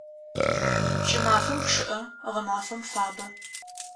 Кӏымафэм чъыӏэ, гъэмафэм фабэ.